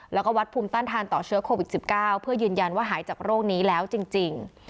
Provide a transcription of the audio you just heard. แล้วก็วัดภูมิต้านทานต่อเชื้อโควิด๑๙เพื่อยืนยันว่าหายจากโรคนี้แล้วจริง